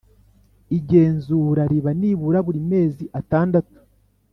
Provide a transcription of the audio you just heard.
igenzura riba nibura buri mezi atandatu